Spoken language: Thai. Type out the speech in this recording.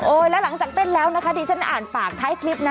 แล้วหลังจากเต้นแล้วนะคะดิฉันอ่านปากท้ายคลิปนะ